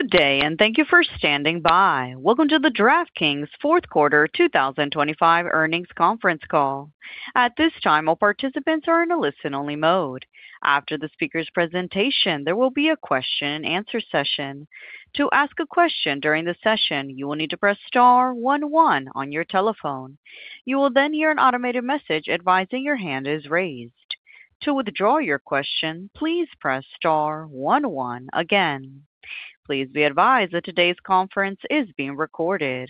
Good day, and thank you for standing by. Welcome to the DraftKings Fourth Quarter 2025 earnings conference call. At this time, all participants are in a listen-only mode. After the speaker's presentation, there will be a question and answer session. To ask a question during the session, you will need to press star one one on your telephone. You will then hear an automated message advising your hand is raised. To withdraw your question, please press star one one again. Please be advised that today's conference is being recorded.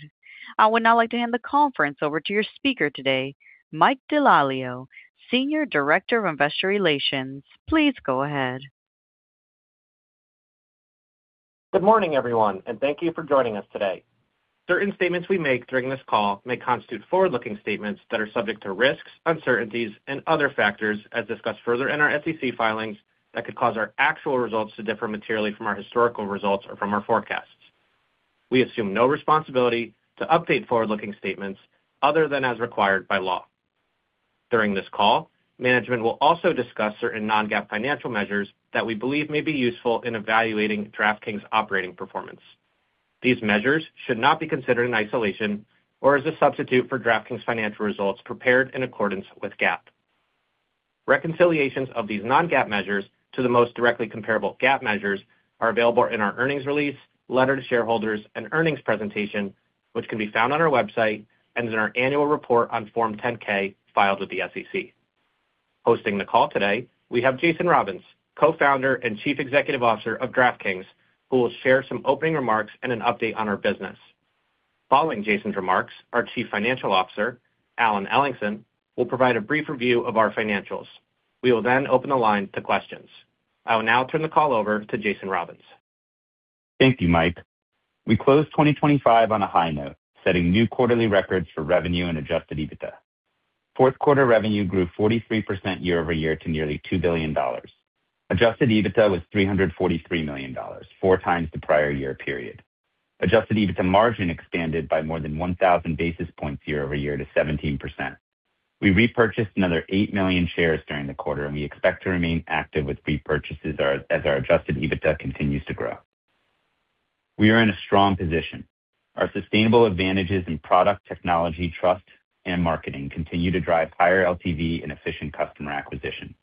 I would now like to hand the conference over to your speaker today, Michael DeLalio, Senior Director of Investor Relations. Please go ahead. Good morning, everyone, and thank you for joining us today. Certain statements we make during this call may constitute forward-looking statements that are subject to risks, uncertainties, and other factors, as discussed further in our SEC filings, that could cause our actual results to differ materially from our historical results or from our forecasts. We assume no responsibility to update forward-looking statements other than as required by law. During this call, management will also discuss certain non-GAAP financial measures that we believe may be useful in evaluating DraftKings' operating performance. These measures should not be considered in isolation or as a substitute for DraftKings' financial results prepared in accordance with GAAP. Reconciliations of these non-GAAP measures to the most directly comparable GAAP measures are available in our earnings release, letter to shareholders, and earnings presentation, which can be found on our website and in our annual report on Form 10-K filed with the SEC. Hosting the call today, we have Jason Robins, Co-founder and Chief Executive Officer of DraftKings, who will share some opening remarks and an update on our business. Following Jason's remarks, our Chief Financial Officer, Alan Ellingson, will provide a brief review of our financials. We will then open the line to questions. I will now turn the call over to Jason Robins. Thank you, Mike. We closed 2025 on a high note, setting new quarterly records for revenue and Adjusted EBITDA. Fourth quarter revenue grew 43% year-over-year to nearly $2 billion. Adjusted EBITDA was $343 million, four times the prior year period. Adjusted EBITDA margin expanded by more than 1,000 basis points year-over-year to 17%. We repurchased another 8 million shares during the quarter, and we expect to remain active with repurchases as our Adjusted EBITDA continues to grow. We are in a strong position. Our sustainable advantages in product, technology, trust, and marketing continue to drive higher LTV and efficient customer acquisition.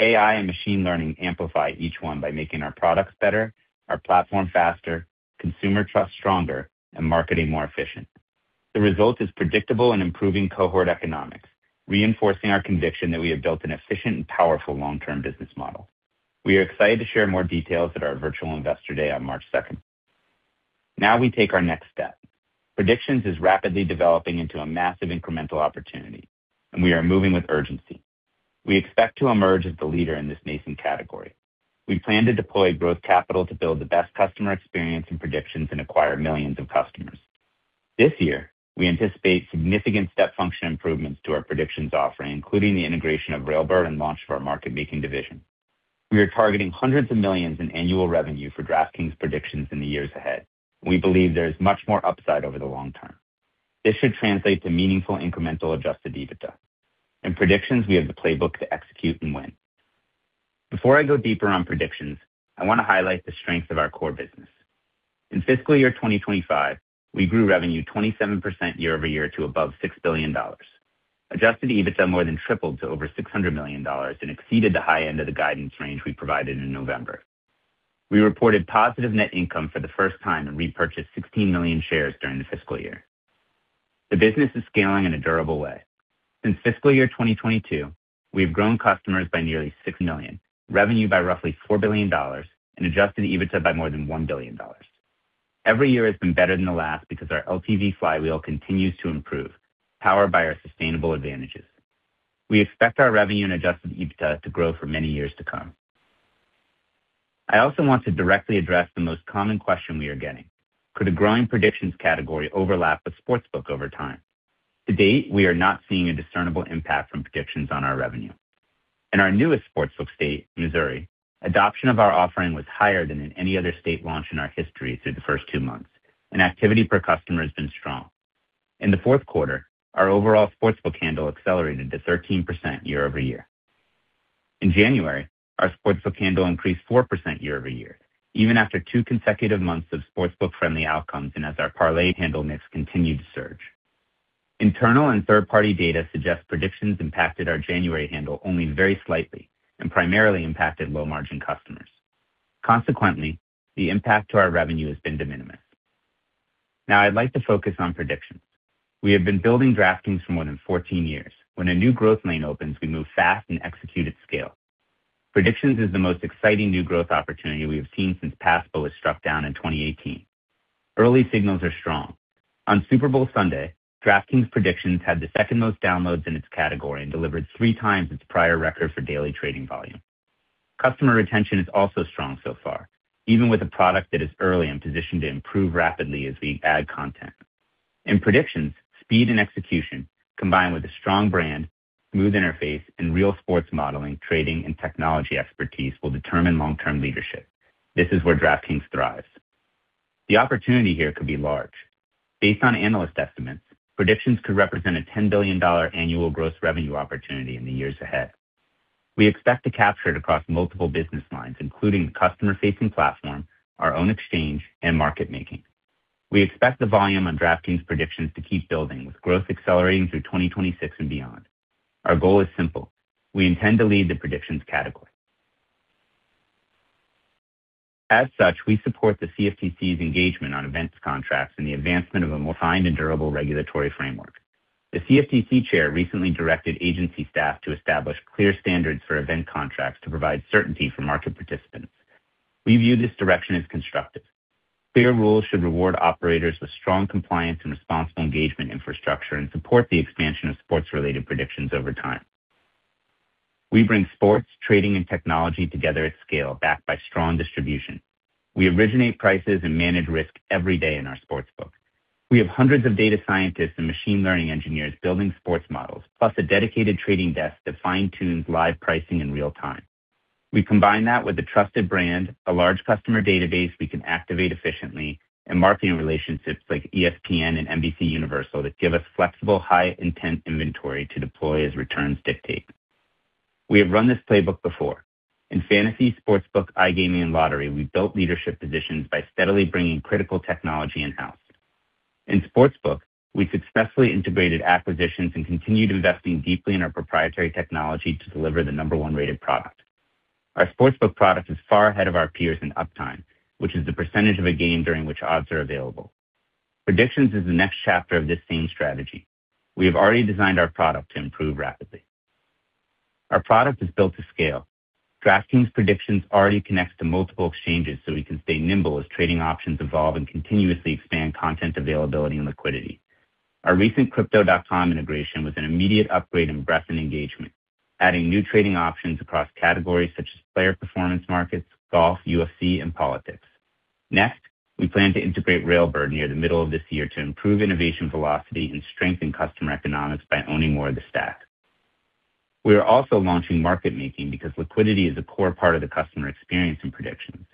AI and machine learning amplify each one by making our products better, our platform faster, consumer trust stronger, and marketing more efficient. The result is predictable and improving cohort economics, reinforcing our conviction that we have built an efficient and powerful long-term business model. We are excited to share more details at our Virtual Investor Day on March 2nd. Now we take our next step. Predictions is rapidly developing into a massive incremental opportunity, and we are moving with urgency. We expect to emerge as the leader in this nascent category. We plan to deploy growth capital to build the best customer experience and predictions and acquire millions of customers. This year, we anticipate significant step function improvements to our predictions offering, including the integration of Railbird and launch of our market-making division. We are targeting hundreds of millions in annual revenue for DraftKings predictions in the years ahead. We believe there is much more upside over the long term. This should translate to meaningful incremental Adjusted EBITDA. In predictions, we have the playbook to execute and win. Before I go deeper on predictions, I want to highlight the strength of our core business. In fiscal year 2025, we grew revenue 27% year-over-year to above $6 billion. Adjusted EBITDA more than tripled to over $600 million and exceeded the high end of the guidance range we provided in November. We reported positive net income for the first time and repurchased 16 million shares during the fiscal year. The business is scaling in a durable way. Since fiscal year 2022, we have grown customers by nearly 6 million, revenue by roughly $4 billion, and adjusted EBITDA by more than $1 billion. Every year has been better than the last because our LTV flywheel continues to improve, powered by our sustainable advantages. We expect our revenue and Adjusted EBITDA to grow for many years to come. I also want to directly address the most common question we are getting: Could a growing predictions category overlap with Sportsbook over time? To date, we are not seeing a discernible impact from predictions on our revenue. In our newest Sportsbook state, Missouri, adoption of our offering was higher than in any other state launch in our history through the first two months, and activity per customer has been strong. In the fourth quarter, our overall Sportsbook handle accelerated to 13% year-over-year. In January, our Sportsbook handle increased 4% year-over-year, even after two consecutive months of Sportsbook-friendly outcomes and as our parlay handle mix continued to surge. Internal and third-party data suggest predictions impacted our January handle only very slightly and primarily impacted low-margin customers. Consequently, the impact to our revenue has been de minimis. Now I'd like to focus on predictions. We have been building DraftKings for more than 14 years. When a new growth lane opens, we move fast and execute at scale. Predictions is the most exciting new growth opportunity we have seen since PASPA was struck down in 2018. Early signals are strong. On Super Bowl Sunday, DraftKings Predictions had the second-most downloads in its category and delivered three times its prior record for daily trading volume. Customer retention is also strong so far, even with a product that is early and positioned to improve rapidly as we add content. In predictions, speed and execution, combined with a strong brand, smooth interface, and real sports modeling, trading, and technology expertise, will determine long-term leadership. This is where DraftKings thrives. The opportunity here could be large. Based on analyst estimates, predictions could represent a $10 billion annual gross revenue opportunity in the years ahead. We expect to capture it across multiple business lines, including the customer-facing platform, our own exchange, and market making. We expect the volume on DraftKings Predictions to keep building, with growth accelerating through 2026 and beyond. Our goal is simple: We intend to lead the predictions category. As such, we support the CFTC's engagement on event contracts and the advancement of a more fine and durable regulatory framework. The CFTC Chair recently directed agency staff to establish clear standards for event contracts to provide certainty for market participants. We view this direction as constructive. Fair rules should reward operators with strong compliance and responsible engagement infrastructure and support the expansion of sports-related predictions over time. We bring sports, trading, and technology together at scale, backed by strong distribution. We originate prices and manage risk every day in our Sportsbook. We have hundreds of data scientists and machine learning engineers building sports models, plus a dedicated trading desk that fine-tunes live pricing in real time. We combine that with a trusted brand, a large customer database we can activate efficiently, and marketing relationships like ESPN and NBCUniversal that give us flexible, high-intent inventory to deploy as returns dictate. We have run this playbook before. In fantasy Sportsbook, iGaming, and lottery, we've built leadership positions by steadily bringing critical technology in-house. In Sportsbook, we successfully integrated acquisitions and continued investing deeply in our proprietary technology to deliver the number one-rated product. Our Sportsbook product is far ahead of our peers in uptime, which is the percentage of a game during which odds are available. Predictions is the next chapter of this same strategy. We have already designed our product to improve rapidly. Our product is built to scale. DraftKings Predictions already connects to multiple exchanges so we can stay nimble as trading options evolve and continuously expand content availability and liquidity. Our recent Crypto.com integration was an immediate upgrade in breadth and engagement, adding new trading options across categories such as player performance markets, golf, UFC, and politics. Next, we plan to integrate Railbird near the middle of this year to improve innovation velocity and strengthen customer economics by owning more of the stack. We are also launching market making because liquidity is a core part of the customer experience in predictions.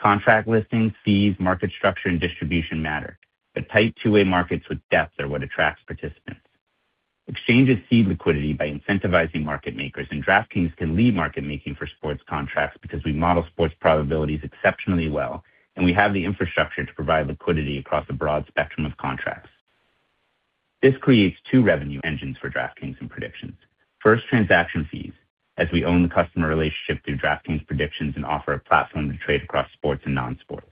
Contract listings, fees, market structure, and distribution matter, but tight two-way markets with depth are what attracts participants. Exchanges seed liquidity by incentivizing market makers, and DraftKings can lead market making for sports contracts because we model sports probabilities exceptionally well, and we have the infrastructure to provide liquidity across a broad spectrum of contracts. This creates two revenue engines for DraftKings and predictions. First, transaction fees, as we own the customer relationship through DraftKings Predictions and offer a platform to trade across sports and non-sports.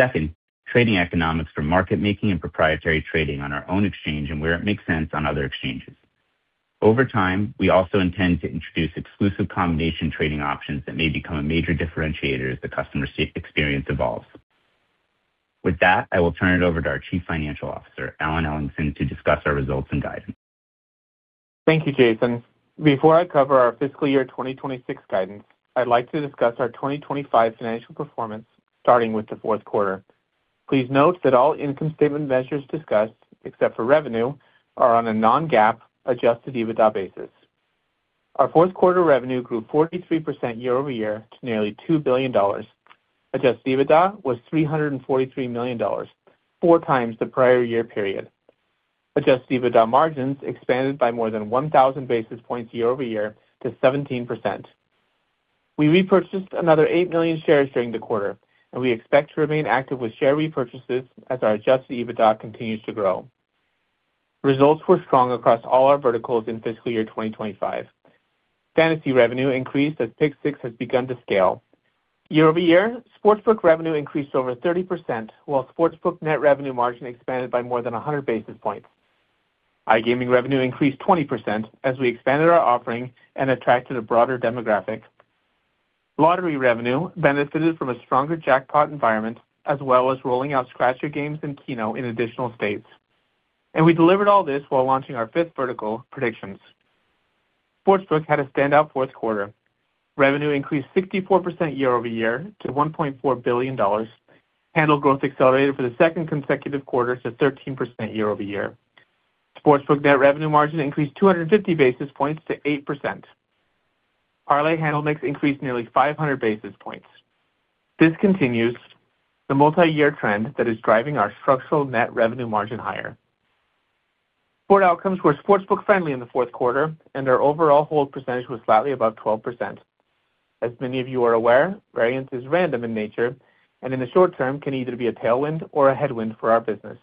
Second, trading economics for market making and proprietary trading on our own exchange and, where it makes sense, on other exchanges. Over time, we also intend to introduce exclusive combination trading options that may become a major differentiator as the customer experience evolves. With that, I will turn it over to our Chief Financial Officer, Alan Ellingson, to discuss our results and guidance. Thank you, Jason. Before I cover our fiscal year 2026 guidance, I'd like to discuss our 2025 financial performance, starting with the fourth quarter. Please note that all income statement measures discussed, except for revenue, are on a non-GAAP Adjusted EBITDA basis. Our fourth quarter revenue grew 43% year-over-year to nearly $2 billion. Adjusted EBITDA was $343 million, 4x the prior year period. Adjusted EBITDA margins expanded by more than 1,000 basis points year-over-year to 17%. We repurchased another 8 million shares during the quarter, and we expect to remain active with share repurchases as our Adjusted EBITDA continues to grow. Results were strong across all our verticals in fiscal year 2025. Fantasy revenue increased as Pick6 has begun to scale. Year-over-year, Sportsbook revenue increased over 30%, while Sportsbook net revenue margin expanded by more than 100 basis points. iGaming revenue increased 20% as we expanded our offering and attracted a broader demographic. Lottery revenue benefited from a stronger jackpot environment, as well as rolling out scratcher games and Keno in additional states. And we delivered all this while launching our fifth vertical, predictions. Sportsbook had a standout fourth quarter. Revenue increased 64% year-over-year to $1.4 billion. Handle growth accelerated for the second consecutive quarter to 13% year-over-year. Sportsbook net revenue margin increased 250 basis points to 8%. Parlay handle mix increased nearly 500 basis points. This continues the multiyear trend that is driving our structural net revenue margin higher. Sport outcomes were Sportsbook-friendly in the fourth quarter, and our overall hold percentage was slightly above 12%. As many of you are aware, variance is random in nature and in the short term, can either be a tailwind or a headwind for our business.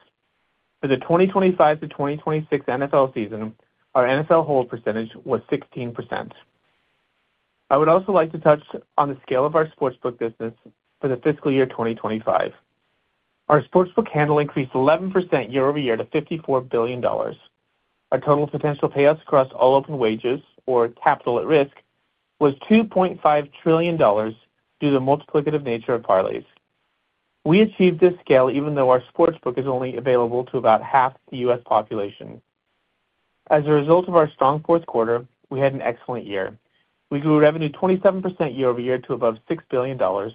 For the 2025 to 2026 NFL season, our NFL hold percentage was 16%. I would also like to touch on the scale of our Sportsbook business for the fiscal year 2025. Our Sportsbook handle increased 11% year-over-year to $54 billion. Our total potential payouts across all open wagers, or capital at risk, was $2.5 trillion due to the multiplicative nature of parlays. We achieved this scale even though our Sportsbook is only available to about half the U.S. population. As a result of our strong fourth quarter, we had an excellent year. We grew revenue 27% year-over-year to above $6 billion. Our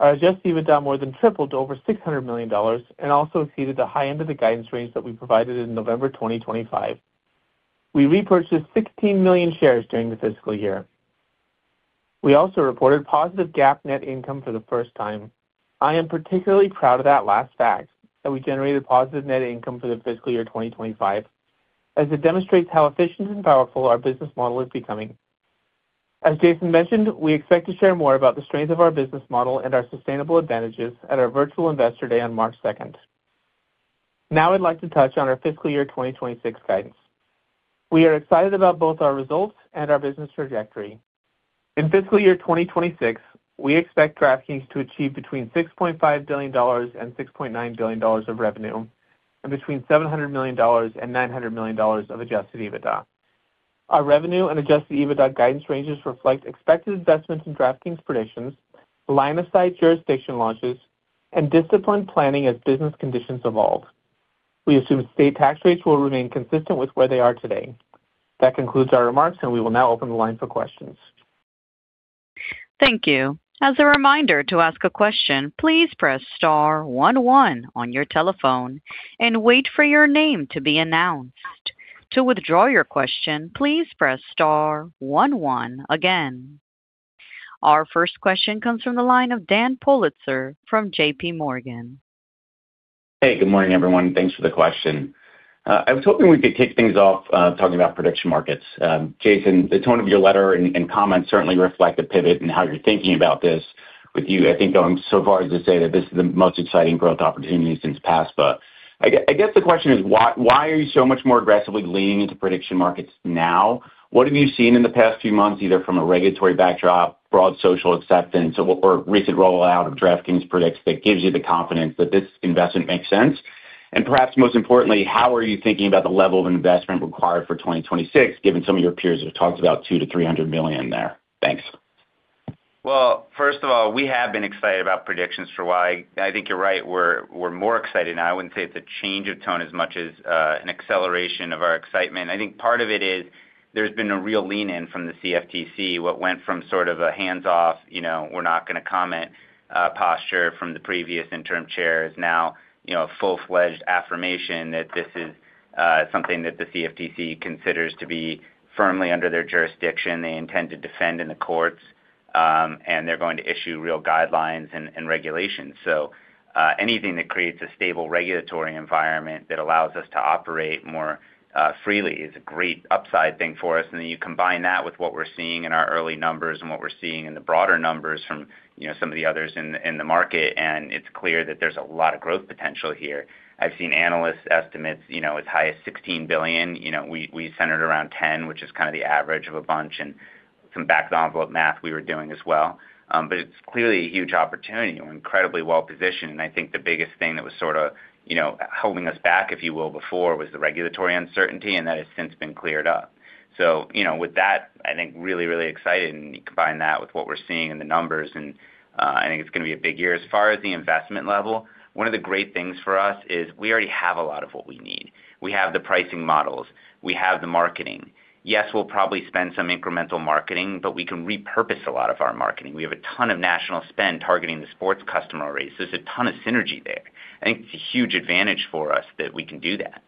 adjusted EBITDA more than tripled to over $600 million and also exceeded the high end of the guidance range that we provided in November 2025. We repurchased 16 million shares during the fiscal year.... We also reported positive GAAP net income for the first time. I am particularly proud of that last fact, that we generated positive net income for the fiscal year 2025, as it demonstrates how efficient and powerful our business model is becoming. As Jason mentioned, we expect to share more about the strength of our business model and our sustainable advantages at our Virtual Investor Day on March 2nd. Now I'd like to touch on our fiscal year 2026 guidance. We are excited about both our results and our business trajectory. In fiscal year 2026, we expect DraftKings to achieve between $6.5 billion and $6.9 billion of revenue and between $700 million and $900 million of Adjusted EBITDA. Our revenue and Adjusted EBITDA guidance ranges reflect expected investments in DraftKings Predictions, line-of-sight jurisdiction launches, and disciplined planning as business conditions evolve. We assume state tax rates will remain consistent with where they are today. That concludes our remarks, and we will now open the line for questions. Thank you. As a reminder, to ask a question, please press star one one on your telephone and wait for your name to be announced. To withdraw your question, please press star one one again. Our first question comes from the line of Dan Politzer from JPMorgan. Hey, good morning, everyone, and thanks for the question. I was hoping we could kick things off talking about prediction markets. Jason, the tone of your letter and comments certainly reflect a pivot in how you're thinking about this, with you, I think, going so far as to say that this is the most exciting growth opportunity since PASPA. I guess the question is, why are you so much more aggressively leaning into prediction markets now? What have you seen in the past few months, either from a regulatory backdrop, broad social acceptance, or recent rollout of DraftKings Predictions that gives you the confidence that this investment makes sense? And perhaps most importantly, how are you thinking about the level of investment required for 2026, given some of your peers have talked about $200 million-$300 million there? Thanks. Well, first of all, we have been excited about predictions for a while. I think you're right, we're, we're more excited now. I wouldn't say it's a change of tone as much as, an acceleration of our excitement. I think part of it is there's been a real lean in from the CFTC. What went from sort of a hands-off, you know, we're not gonna comment, posture from the previous interim chairs, now, you know, a full-fledged affirmation that this is, something that the CFTC considers to be firmly under their jurisdiction, they intend to defend in the courts, and they're going to issue real guidelines and regulations. So, anything that creates a stable regulatory environment that allows us to operate more, freely is a great upside thing for us. And then you combine that with what we're seeing in our early numbers and what we're seeing in the broader numbers from, you know, some of the others in the market, and it's clear that there's a lot of growth potential here. I've seen analysts' estimates, you know, as high as $16 billion. You know, we centered around 10, which is kind of the average of a bunch and some back-of-the-envelope math we were doing as well. But it's clearly a huge opportunity and we're incredibly well-positioned, and I think the biggest thing that was sort of, you know, holding us back, if you will, before, was the regulatory uncertainty, and that has since been cleared up. So, you know, with that, I think really, really excited, and you combine that with what we're seeing in the numbers, and I think it's gonna be a big year. As far as the investment level, one of the great things for us is we already have a lot of what we need. We have the pricing models. We have the marketing. Yes, we'll probably spend some incremental marketing, but we can repurpose a lot of our marketing. We have a ton of national spend targeting the sports customer base. There's a ton of synergy there, and it's a huge advantage for us that we can do that.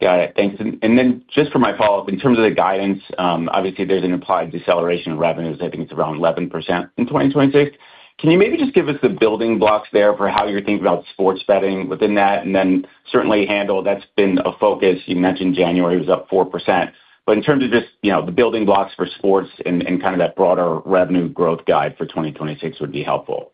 Got it. Thanks. And then just for my follow-up, in terms of the guidance, obviously, there's an implied deceleration in revenues. I think it's around 11% in 2026. Can you maybe just give us the building blocks there for how you're thinking about sports betting within that, and then certainly handle, that's been a focus. You mentioned January was up 4%. But in terms of just, you know, the building blocks for sports and, and kind of that broader revenue growth guide for 2026 would be helpful.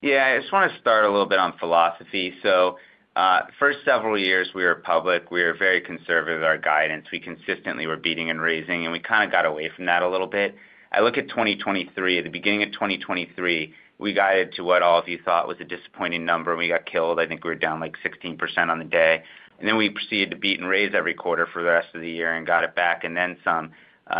Yeah. I just want to start a little bit on philosophy. So, the first several years we were public, we were very conservative with our guidance. We consistently were beating and raising, and we kind of got away from that a little bit. I look at 2023, at the beginning of 2023, we guided to what all of you thought was a disappointing number, and we got killed. I think we were down, like, 16% on the day. And then we proceeded to beat and raise every quarter for the rest of the year and got it back, and then some,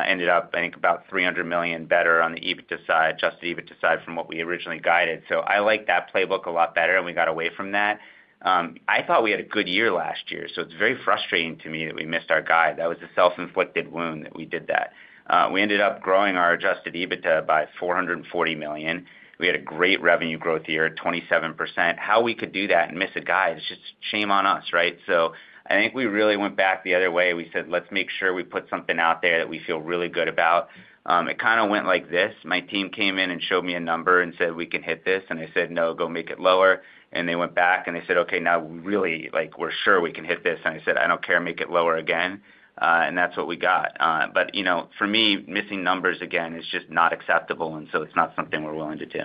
ended up, I think, about $300 million better on the adjusted EBITDA side, from what we originally guided. So I like that playbook a lot better, and we got away from that. I thought we had a good year last year, so it's very frustrating to me that we missed our guide. That was a self-inflicted wound that we did that. We ended up growing our Adjusted EBITDA by $440 million. We had a great revenue growth year at 27%. How we could do that and miss a guide is just shame on us, right? So I think we really went back the other way, and we said: Let's make sure we put something out there that we feel really good about. It kind of went like this. My team came in and showed me a number and said, "We can hit this." And I said, "No, go make it lower." And they went back, and they said, "Okay, now, really, like, we're sure we can hit this." And I said, "I don't care, make it lower again." And that's what we got. But, you know, for me, missing numbers again is just not acceptable, and so it's not something we're willing to do.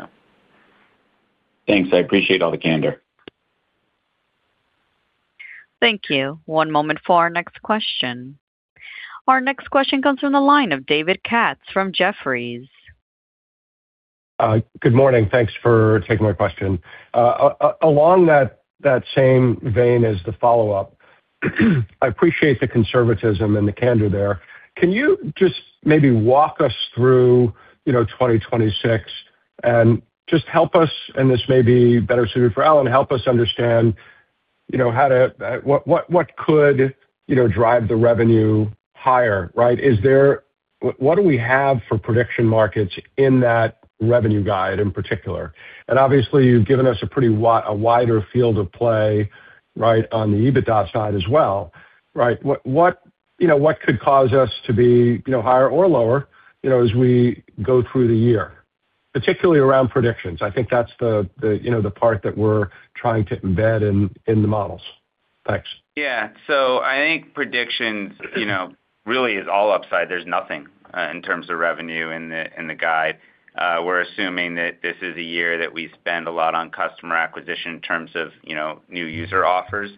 Thanks. I appreciate all the candor. Thank you. One moment for our next question. Our next question comes from the line of David Katz from Jefferies. Good morning. Thanks for taking my question. Along that same vein as the follow-up, I appreciate the conservatism and the candor there. Can you just maybe walk us through, you know, 2026 and just help us, and this may be better suited for Alan, help us understand, you know, how to... What could, you know, drive the revenue higher, right? Is there—what do we have for prediction markets in that revenue guide in particular? And obviously, you've given us a pretty wider field of play, right, on the EBITDA side as well.... Right. What could cause us to be, you know, higher or lower, you know, as we go through the year, particularly around predictions? I think that's the, you know, the part that we're trying to embed in the models. Thanks. Yeah. So I think predictions, you know, really is all upside. There's nothing in terms of revenue in the guide. We're assuming that this is a year that we spend a lot on customer acquisition in terms of, you know, new user offers.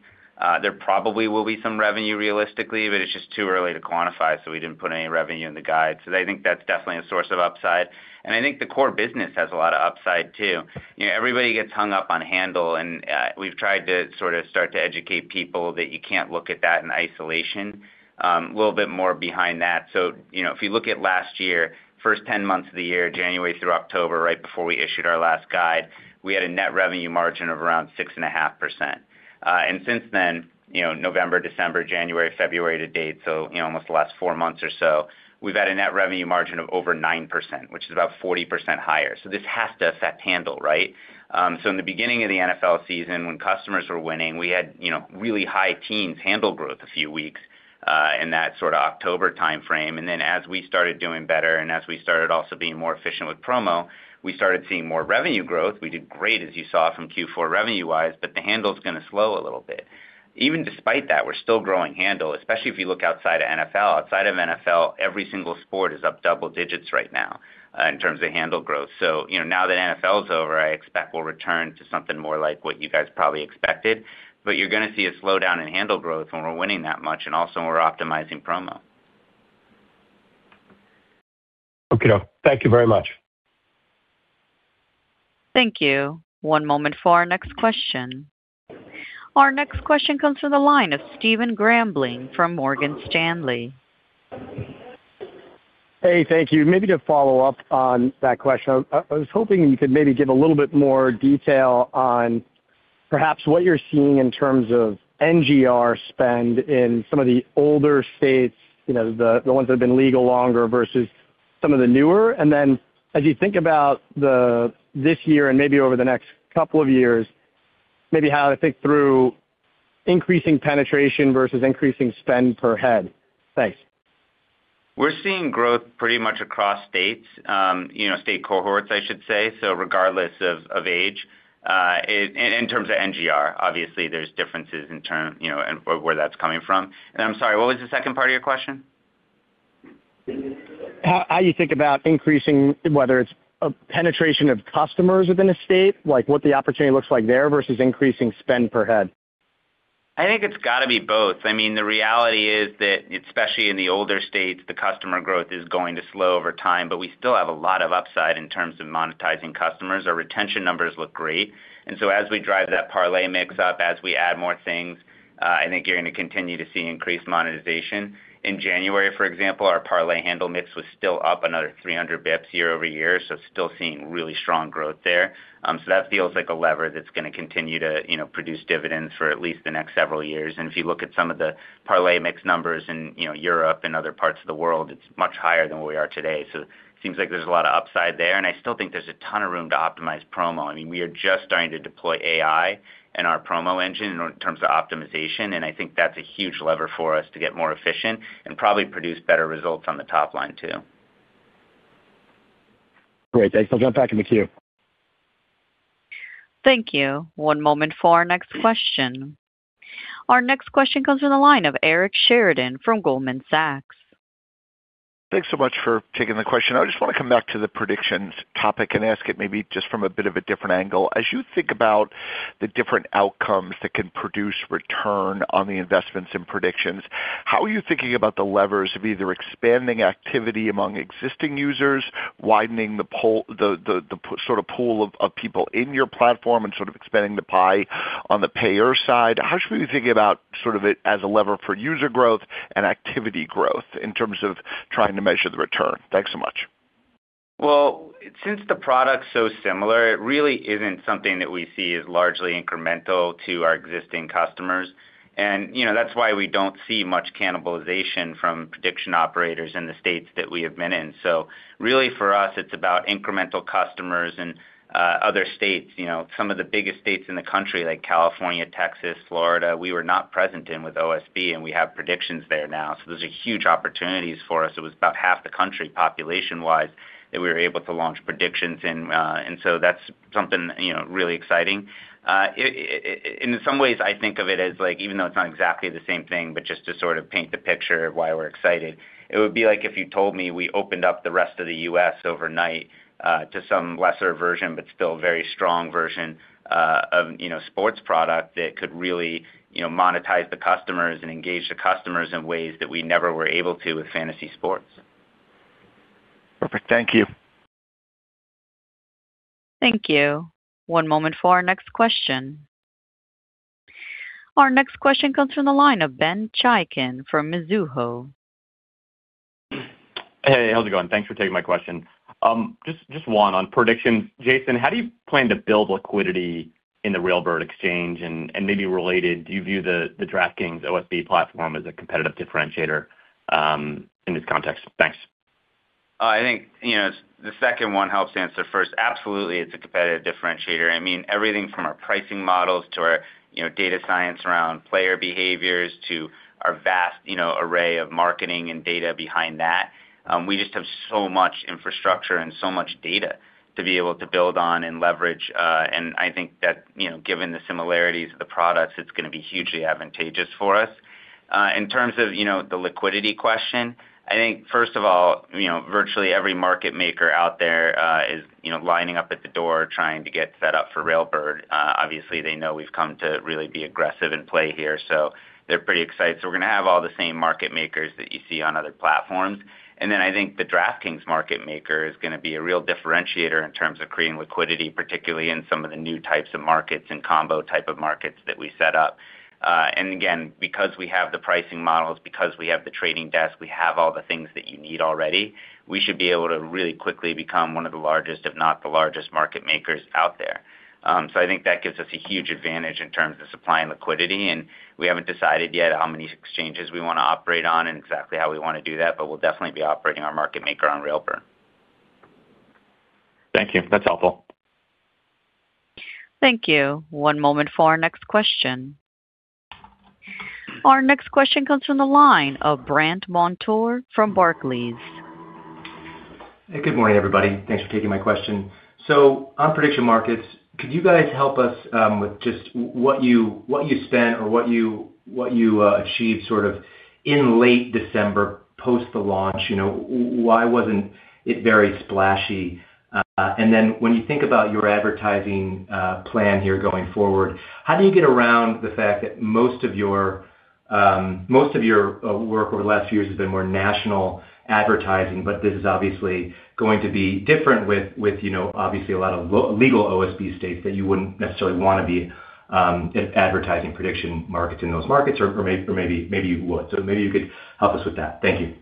There probably will be some revenue realistically, but it's just too early to quantify, so we didn't put any revenue in the guide. So I think that's definitely a source of upside, and I think the core business has a lot of upside, too. You know, everybody gets hung up on handle, and we've tried to sort of start to educate people that you can't look at that in isolation. A little bit more behind that, so, you know, if you look at last year, first 10 months of the year, January through October, right before we issued our last guide, we had a net revenue margin of around 6.5%. And since then, you know, November, December, January, February to date, so, you know, almost the last four months or so, we've had a net revenue margin of over 9%, which is about 40% higher. So this has to affect handle, right? So in the beginning of the NFL season, when customers were winning, we had, you know, really high teens handle growth a few weeks in that sort of October time frame. And then as we started doing better and as we started also being more efficient with promo, we started seeing more revenue growth. We did great, as you saw from Q4 revenue-wise, but the handle's gonna slow a little bit. Even despite that, we're still growing handle, especially if you look outside of NFL. Outside of NFL, every single sport is up double digits right now, in terms of handle growth. So, you know, now that NFL is over, I expect we'll return to something more like what you guys probably expected, but you're gonna see a slowdown in handle growth when we're winning that much, and also when we're optimizing promo. Okie doke. Thank you very much. Thank you. One moment for our next question. Our next question comes from the line of Stephen Grambling from Morgan Stanley. Hey, thank you. Maybe to follow up on that question, I was hoping you could maybe give a little bit more detail on perhaps what you're seeing in terms of NGR spend in some of the older states, you know, the ones that have been legal longer versus some of the newer. And then as you think about this year and maybe over the next couple of years, maybe how to think through increasing penetration versus increasing spend per head. Thanks. We're seeing growth pretty much across states, you know, state cohorts, I should say, so regardless of age, in terms of NGR, obviously, there's differences in terms, you know, and where that's coming from. I'm sorry, what was the second part of your question? How you think about increasing, whether it's a penetration of customers within a state, like what the opportunity looks like there, versus increasing spend per head? I think it's got to be both. I mean, the reality is that, especially in the older states, the customer growth is going to slow over time, but we still have a lot of upside in terms of monetizing customers. Our retention numbers look great, and so as we drive that parlay mix up, as we add more things, I think you're going to continue to see increased monetization. In January, for example, our parlay handle mix was still up another 300 basis points year-over-year, so still seeing really strong growth there. So that feels like a lever that's going to continue to, you know, produce dividends for at least the next several years. And if you look at some of the parlay mix numbers in, you know, Europe and other parts of the world, it's much higher than where we are today. So it seems like there's a lot of upside there, and I still think there's a ton of room to optimize promo. I mean, we are just starting to deploy AI in our promo engine in terms of optimization, and I think that's a huge lever for us to get more efficient and probably produce better results on the top line, too. Great, thanks. I'll jump back in the queue. Thank you. One moment for our next question. Our next question comes from the line of Eric Sheridan from Goldman Sachs. Thanks so much for taking the question. I just want to come back to the predictions topic and ask it maybe just from a bit of a different angle. As you think about the different outcomes that can produce return on the investments in predictions, how are you thinking about the levers of either expanding activity among existing users, widening the pool, the sort of pool of people in your platform and sort of expanding the pie on the payer side? How should we be thinking about sort of it as a lever for user growth and activity growth in terms of trying to measure the return? Thanks so much. Well, since the product's so similar, it really isn't something that we see as largely incremental to our existing customers. And, you know, that's why we don't see much cannibalization from prediction operators in the states that we have been in. So really, for us, it's about incremental customers and other states. You know, some of the biggest states in the country, like California, Texas, Florida, we were not present in with OSB, and we have predictions there now. So those are huge opportunities for us. It was about half the country, population-wise, that we were able to launch predictions in, and so that's something, you know, really exciting. In some ways, I think of it as like, even though it's not exactly the same thing, but just to sort of paint the picture of why we're excited, it would be like if you told me we opened up the rest of the U.S. overnight, to some lesser version, but still a very strong version, of, you know, sports product that could really, you know, monetize the customers and engage the customers in ways that we never were able to with fantasy sports. Perfect. Thank you. Thank you. One moment for our next question. Our next question comes from the line of Ben Chaiken from Mizuho. Hey, how's it going? Thanks for taking my question. Just one on predictions. Jason, how do you plan to build liquidity in the Railbird Exchange? And maybe related, do you view the DraftKings OSB platform as a competitive differentiator, in this context? Thanks.... Oh, I think, you know, the second one helps answer first. Absolutely, it's a competitive differentiator. I mean, everything from our pricing models to our, you know, data science around player behaviors, to our vast, you know, array of marketing and data behind that. We just have so much infrastructure and so much data to be able to build on and leverage, and I think that, you know, given the similarities of the products, it's going to be hugely advantageous for us. In terms of, you know, the liquidity question, I think, first of all, you know, virtually every market maker out there is, you know, lining up at the door trying to get set up for Railbird. Obviously, they know we've come to really be aggressive and play here, so they're pretty excited. So we're going to have all the same market makers that you see on other platforms. And then I think the DraftKings market maker is going to be a real differentiator in terms of creating liquidity, particularly in some of the new types of markets and combo type of markets that we set up. And again, because we have the pricing models, because we have the trading desk, we have all the things that you need already, we should be able to really quickly become one of the largest, if not the largest market makers out there. So I think that gives us a huge advantage in terms of supply and liquidity, and we haven't decided yet how many exchanges we want to operate on and exactly how we want to do that, but we'll definitely be operating our market maker on Railbird. Thank you. That's helpful. Thank you. One moment for our next question. Our next question comes from the line of Brandt Montour from Barclays. Hey, good morning, everybody. Thanks for taking my question. So on prediction markets, could you guys help us with just what you achieved sort of in late December, post the launch? You know, why wasn't it very splashy? And then when you think about your advertising plan here going forward, how do you get around the fact that most of your work over the last few years has been more national advertising, but this is obviously going to be different with you know obviously a lot of legal OSB states that you wouldn't necessarily want to be advertising prediction markets in those markets or maybe you would. So maybe you could help us with that. Thank you.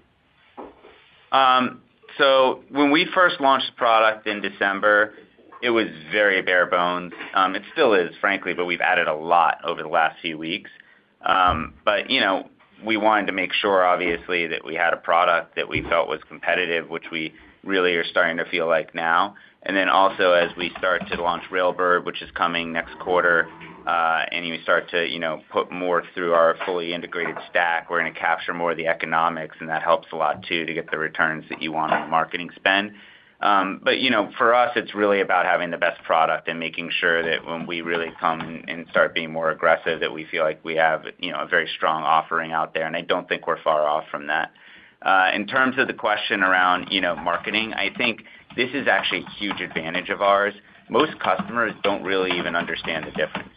So when we first launched the product in December, it was very bare bones. It still is, frankly, but we've added a lot over the last few weeks. But, you know, we wanted to make sure, obviously, that we had a product that we felt was competitive, which we really are starting to feel like now. And then also, as we start to launch Railbird, which is coming next quarter, and you start to, you know, put more through our fully integrated stack, we're going to capture more of the economics, and that helps a lot, too, to get the returns that you want on the marketing spend. But, you know, for us, it's really about having the best product and making sure that when we really come and start being more aggressive, that we feel like we have, you know, a very strong offering out there, and I don't think we're far off from that. In terms of the question around, you know, marketing, I think this is actually a huge advantage of ours. Most customers don't really even understand the difference.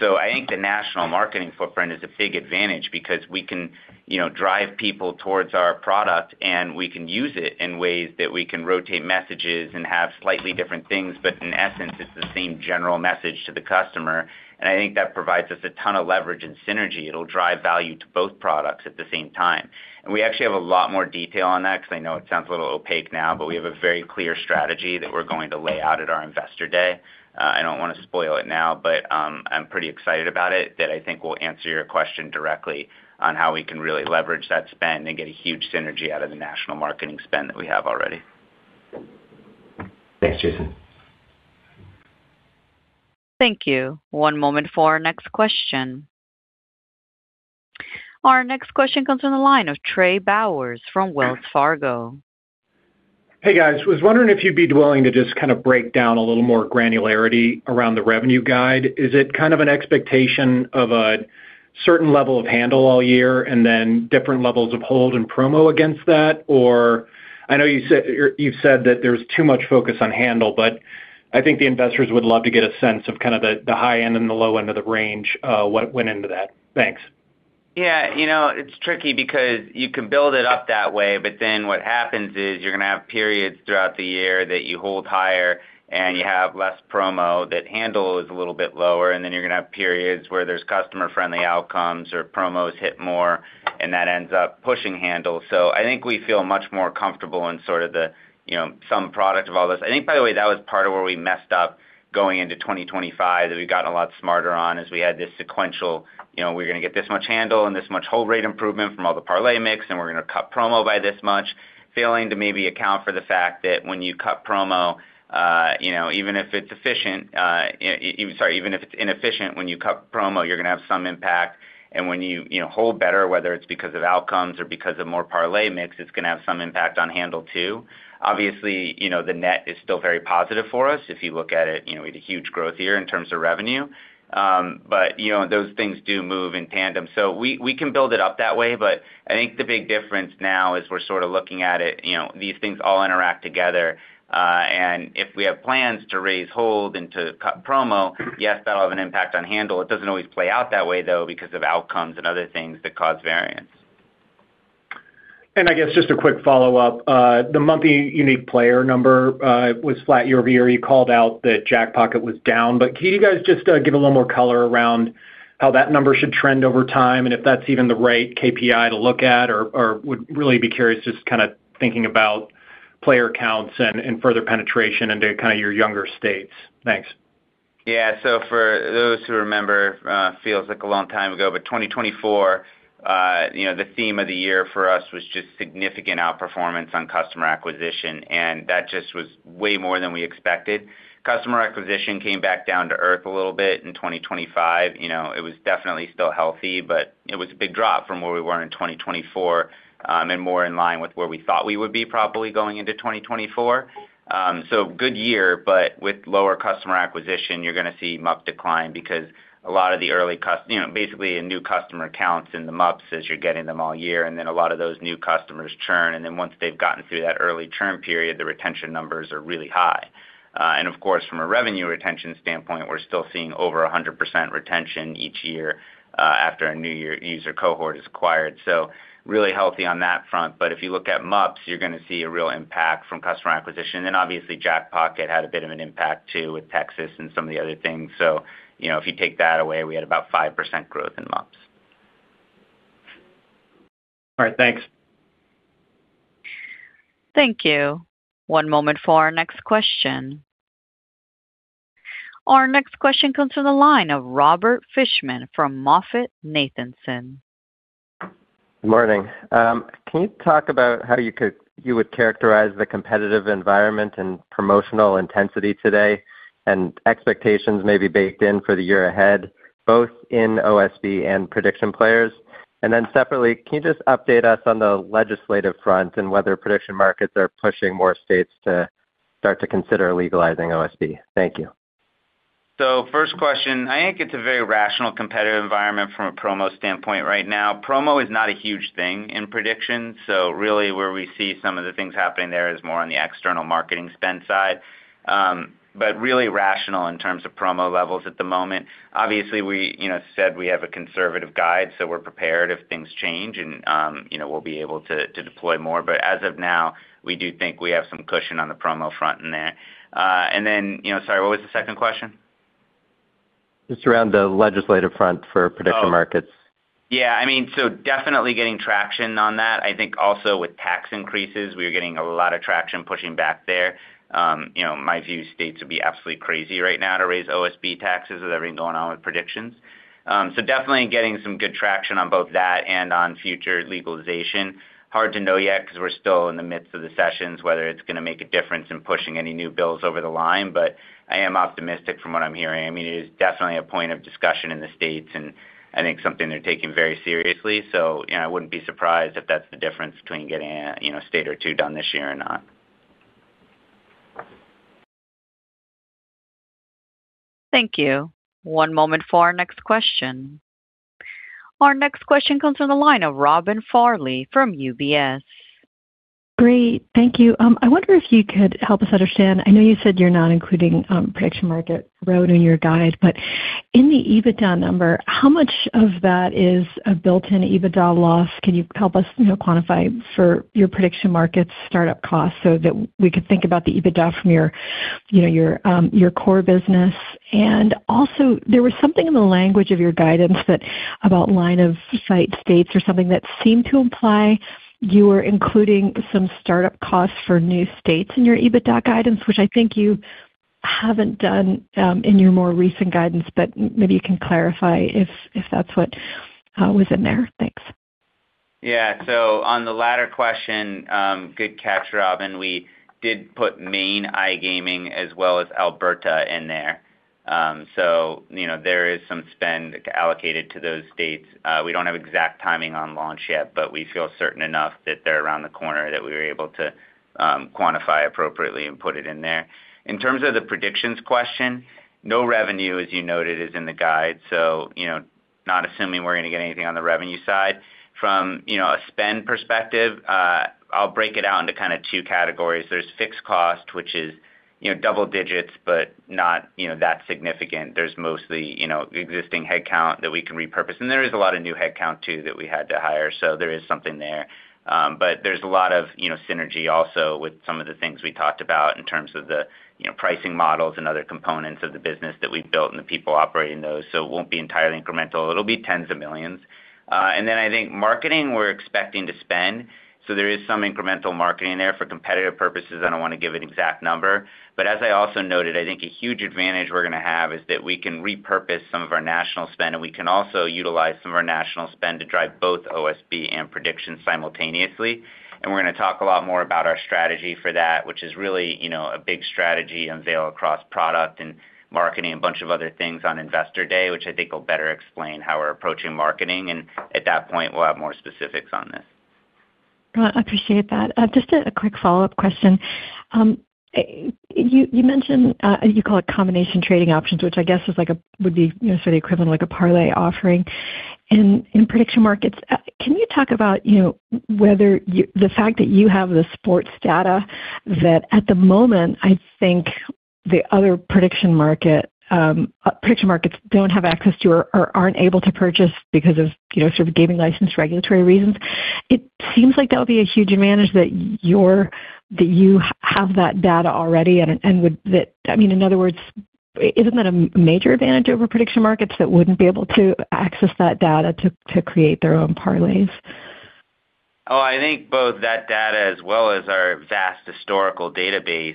So I think the national marketing footprint is a big advantage because we can, you know, drive people towards our product and we can use it in ways that we can rotate messages and have slightly different things, but in essence, it's the same general message to the customer. And I think that provides us a ton of leverage and synergy. It'll drive value to both products at the same time. We actually have a lot more detail on that, because I know it sounds a little opaque now, but we have a very clear strategy that we're going to lay out at our Investor Day. I don't want to spoil it now, but, I'm pretty excited about it, that I think will answer your question directly on how we can really leverage that spend and get a huge synergy out of the national marketing spend that we have already. Thanks, Jason. Thank you. One moment for our next question. Our next question comes from the line of Trey Bowers from Wells Fargo. Hey, guys. I was wondering if you'd be willing to just kind of break down a little more granularity around the revenue guide. Is it kind of an expectation of a certain level of handle all year and then different levels of hold and promo against that? Or I know you said, you've said that there's too much focus on handle, but I think the investors would love to get a sense of kind of the, the high end and the low end of the range, what went into that? Thanks. Yeah, you know, it's tricky because you can build it up that way, but then what happens is you're going to have periods throughout the year that you hold higher and you have less promo, that handle is a little bit lower, and then you're going to have periods where there's customer-friendly outcomes or promos hit more, and that ends up pushing handle. So I think we feel much more comfortable in sort of the, you know, some product of all this. I think, by the way, that was part of where we messed up going into 2025, that we've gotten a lot smarter on as we had this sequential, you know, we're going to get this much handle and this much hold rate improvement from all the parlay mix, and we're going to cut promo by this much. Failing to maybe account for the fact that when you cut promo, you know, even if it's efficient, sorry, even if it's inefficient, when you cut promo, you're going to have some impact. And when you, you know, hold better, whether it's because of outcomes or because of more parlay mix, it's going to have some impact on handle, too. Obviously, you know, the net is still very positive for us. If you look at it, you know, we had a huge growth year in terms of revenue. But, you know, those things do move in tandem. So we, we can build it up that way, but I think the big difference now is we're sort of looking at it, you know, these things all interact together, and if we have plans to raise, hold, and to cut promo, yes, that'll have an impact on handle. It doesn't always play out that way, though, because of outcomes and other things that cause variance. I guess just a quick follow-up. The monthly unique player number was flat year-over-year. You called out that Jackpocket was down, but can you guys just give a little more color around how that number should trend over time, and if that's even the right KPI to look at, or would really be curious, just kind of thinking about player counts and further penetration into kind of your younger states. Thanks.... Yeah, so for those who remember, feels like a long time ago, but 2024, you know, the theme of the year for us was just significant outperformance on customer acquisition, and that just was way more than we expected. Customer acquisition came back down to earth a little bit in 2025. You know, it was definitely still healthy, but it was a big drop from where we were in 2024, and more in line with where we thought we would be properly going into 2024. So good year, but with lower customer acquisition, you're gonna see MUP decline because a lot of the early—you know, basically, a new customer counts in the MUPs as you're getting them all year, and then a lot of those new customers churn, and then once they've gotten through that early churn period, the retention numbers are really high. And of course, from a revenue retention standpoint, we're still seeing over 100% retention each year, after a new year user cohort is acquired. So really healthy on that front. But if you look at MUPs, you're gonna see a real impact from customer acquisition, and obviously, Jackpocket had a bit of an impact, too, with Texas and some of the other things. So, you know, if you take that away, we had about 5% growth in MUPs. All right, thanks. Thank you. One moment for our next question. Our next question comes from the line of Robert Fishman from MoffettNathanson. Good morning. Can you talk about how you would characterize the competitive environment and promotional intensity today and expectations may be baked in for the year ahead, both in OSB and prediction players? And then separately, can you just update us on the legislative front and whether prediction markets are pushing more states to start to consider legalizing OSB? Thank you. So first question, I think it's a very rational, competitive environment from a promo standpoint right now. Promo is not a huge thing in prediction, so really where we see some of the things happening there is more on the external marketing spend side, but really rational in terms of promo levels at the moment. Obviously, we, you know, said we have a conservative guide, so we're prepared if things change and, you know, we'll be able to to deploy more. But as of now, we do think we have some cushion on the promo front in there. And then, you know, sorry, what was the second question? Just around the legislative front for prediction markets. Yeah, I mean, so definitely getting traction on that. I think also with tax increases, we are getting a lot of traction pushing back there. You know, my view, states would be absolutely crazy right now to raise OSB taxes with everything going on with predictions. So definitely getting some good traction on both that and on future legalization. Hard to know yet, because we're still in the midst of the sessions, whether it's gonna make a difference in pushing any new bills over the line, but I am optimistic from what I'm hearing. I mean, it is definitely a point of discussion in the states, and I think something they're taking very seriously. So, you know, I wouldn't be surprised if that's the difference between getting, you know, a state or two done this year or not. Thank you. One moment for our next question. Our next question comes from the line of Robin Farley from UBS. Great, thank you. I wonder if you could help us understand. I know you said you're not including prediction markets roadmap in your guidance, but in the EBITDA number, how much of that is a built-in EBITDA loss? Can you help us, you know, quantify for your prediction markets startup costs so that we could think about the EBITDA from your, you know, your core business? And also, there was something in the language of your guidance that was about line of sight states or something that seemed to imply you were including some startup costs for new states in your EBITDA guidance, which I think you haven't done in your more recent guidance, but maybe you can clarify if that's what was in there. Thanks. Yeah. So on the latter question, good catch, Robin. We did put Maine iGaming as well as Alberta in there. So, you know, there is some spend allocated to those states. We don't have exact timing on launch yet, but we feel certain enough that they're around the corner, that we were able to quantify appropriately and put it in there. In terms of the predictions question, no revenue, as you noted, is in the guide, so, you know, not assuming we're gonna get anything on the revenue side. From, you know, a spend perspective, I'll break it out into kind of two categories. There's fixed cost, which is, you know, double digits, but not, you know, that significant. There's mostly, you know, existing headcount that we can repurpose, and there is a lot of new headcount, too, that we had to hire. So there is something there. But there's a lot of, you know, synergy also with some of the things we talked about in terms of the, you know, pricing models and other components of the business that we've built and the people operating those. So it won't be entirely incremental. It'll be tens of millions. And then I think marketing, we're expecting to spend, so there is some incremental marketing there for competitive purposes. I don't want to give an exact number, but as I also noted, I think a huge advantage we're gonna have is that we can repurpose some of our national spend, and we can also utilize some of our national spend to drive both OSB and prediction simultaneously. We're gonna talk a lot more about our strategy for that, which is really, you know, a big strategy unveil across product and marketing, a bunch of other things on Investor Day, which I think will better explain how we're approaching marketing, and at that point, we'll have more specifics on this. Well, I appreciate that. Just a quick follow-up question. You, you mentioned, you call it combination trading options, which I guess is like a, would be, you know, sort of equivalent, like a parlay offering in, in prediction markets. Can you talk about, you know, whether you... the fact that you have the sports data that at the moment, I think the other prediction market, prediction markets don't have access to or, or aren't able to purchase because of, you know, sort of gaming license, regulatory reasons. It seems like that would be a huge advantage that you're-- that you have that data already, and, and would, that, I mean, in other words, isn't that a major advantage over prediction markets that wouldn't be able to access that data to, to create their own parlays?... Oh, I think both that data as well as our vast historical database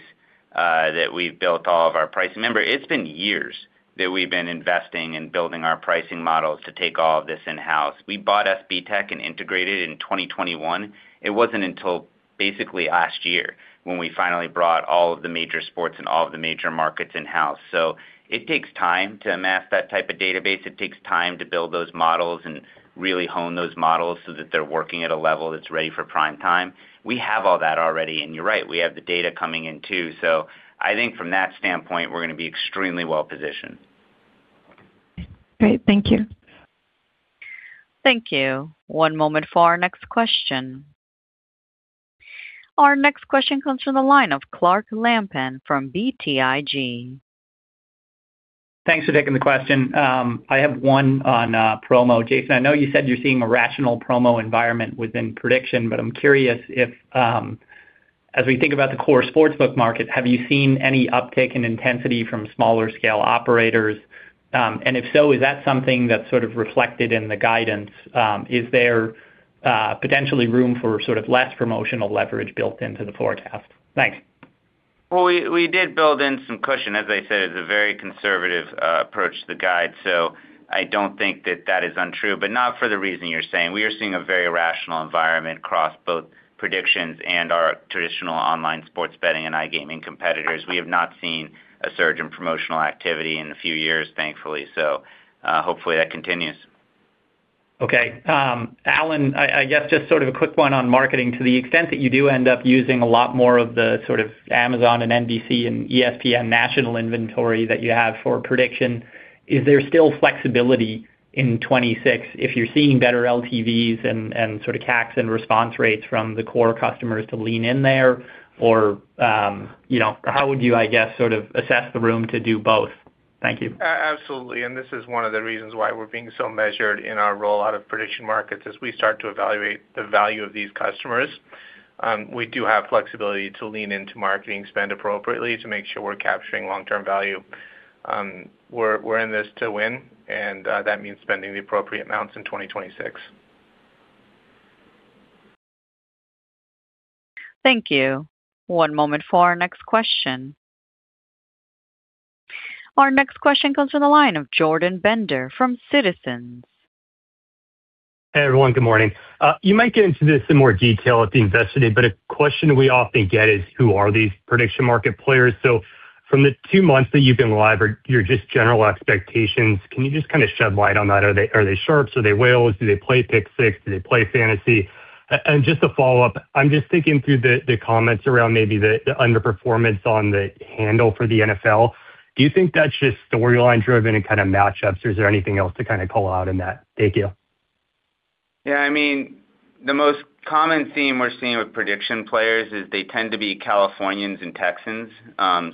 that we've built all of our pricing. Remember, it's been years that we've been investing and building our pricing models to take all of this in-house. We bought SBTech and integrated in 2021. It wasn't until basically last year when we finally brought all of the major sports and all of the major markets in-house. So it takes time to amass that type of database. It takes time to build those models and really hone those models so that they're working at a level that's ready for prime time. We have all that already, and you're right, we have the data coming in, too. So I think from that standpoint, we're going to be extremely well-positioned. Great. Thank you. Thank you. One moment for our next question. Our next question comes from the line of Clark Lampen from BTIG. Thanks for taking the question. I have one on promo. Jason, I know you said you're seeing a rational promo environment within prediction, but I'm curious if, as we think about the core Sportsbook market, have you seen any uptick in intensity from smaller scale operators? And if so, is that something that's sort of reflected in the guidance? Is there potentially room for sort of less promotional leverage built into the forecast? Thanks. Well, we, we did build in some cushion. As I said, it's a very conservative approach to the guide, so I don't think that that is untrue, but not for the reason you're saying. We are seeing a very rational environment across both predictions and our traditional online sports betting and iGaming competitors. We have not seen a surge in promotional activity in a few years, thankfully, so hopefully, that continues. Okay. Alan, I guess just sort of a quick one on marketing. To the extent that you do end up using a lot more of the sort of Amazon and NBC and ESPN national inventory that you have for prediction, is there still flexibility in 2026 if you're seeing better LTVs and, and sort of tax and response rates from the core customers to lean in there? Or, you know, how would you, I guess, sort of assess the room to do both? Thank you. Absolutely, and this is one of the reasons why we're being so measured in our rollout of prediction markets. As we start to evaluate the value of these customers, we do have flexibility to lean into marketing, spend appropriately to make sure we're capturing long-term value. We're in this to win, and that means spending the appropriate amounts in 2026. Thank you. One moment for our next question. Our next question comes from the line of Jordan Bender from Citizens. Hey, everyone. Good morning. You might get into this in more detail at the Investor Day, but a question we often get is: Who are these prediction market players? So from the two months that you've been live or your just general expectations, can you just kind of shed light on that? Are they, are they sharps? Are they whales? Do they play Pick6? Do they play fantasy? And just a follow-up, I'm just thinking through the, the comments around maybe the, the underperformance on the handle for the NFL. Do you think that's just storyline driven and kind of matchups, or is there anything else to kind of call out in that? Thank you. Yeah, I mean, the most common theme we're seeing with prediction players is they tend to be Californians and Texans.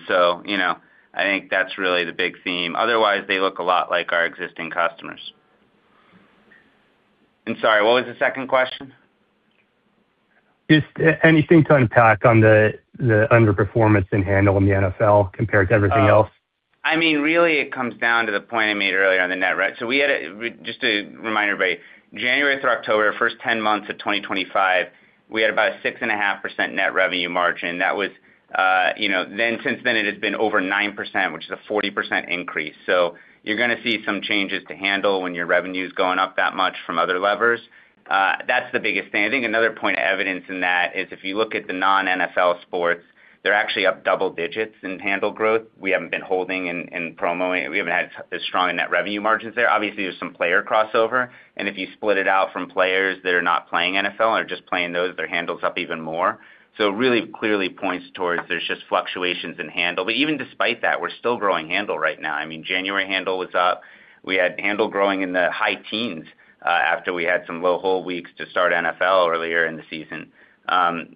So, you know, I think that's really the big theme. Otherwise, they look a lot like our existing customers. I'm sorry, what was the second question? Just anything to unpack on the underperformance in handle in the NFL compared to everything else? Oh, I mean, really, it comes down to the point I made earlier on the net, right? So we had just a reminder, January through October, first 10 months of 2025, we had about a 6.5% net revenue margin. That was, you know, then, since then, it has been over 9%, which is a 40% increase. So you're gonna see some changes to handle when your revenue's going up that much from other levers. That's the biggest thing. I think another point of evidence in that is if you look at the non-NFL sports, they're actually up double digits in handle growth. We haven't been holding in promo. We haven't had as strong a net revenue margins there. Obviously, there's some player crossover, and if you split it out from players that are not playing NFL and are just playing those, their handle's up even more. So it really clearly points towards there's just fluctuations in handle. But even despite that, we're still growing handle right now. I mean, January handle was up. We had handle growing in the high teens after we had some low hold weeks to start NFL earlier in the season.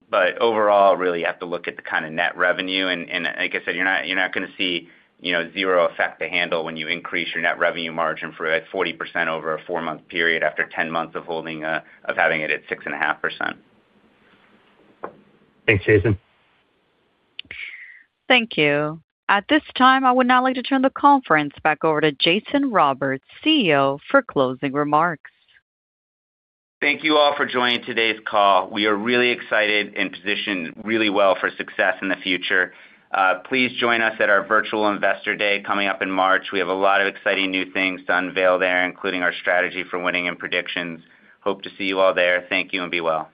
But overall, really, you have to look at the kind of net revenue, and like I said, you're not, you're not gonna see, you know, zero effect to handle when you increase your net revenue margin for, at 40% over a four-month period after 10 months of holding of having it at 6.5%. Thanks, Jason. Thank you. At this time, I would now like to turn the conference back over to Jason Robins, CEO, for closing remarks. Thank you all for joining today's call. We are really excited and positioned really well for success in the future. Please join us at our virtual Investor Day, coming up in March. We have a lot of exciting new things to unveil there, including our strategy for winning in predictions. Hope to see you all there. Thank you and be well.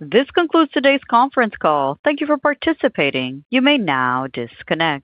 This concludes today's conference call. Thank you for participating. You may now disconnect.